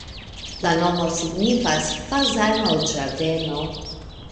La nomo signifas: fazano-ĝardeno.